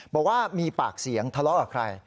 บอกว่ามีปากเสียงทะเลาะกับใคร